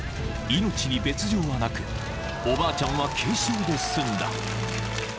［命に別条はなくおばあちゃんは軽傷で済んだ］